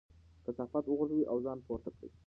کثافات وغورځوئ او ځان پورته کړئ.